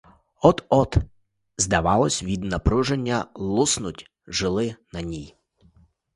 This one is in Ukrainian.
От-от, здавалось, від напруження луснуть жили на ній.